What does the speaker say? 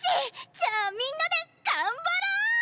じゃあみんなで頑張ろう！